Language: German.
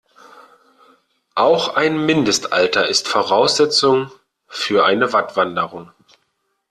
Auch ein Mindestalter ist Voraussetzung für eine Wattwanderung.